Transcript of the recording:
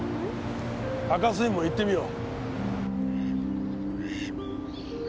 赤水門行ってみよう。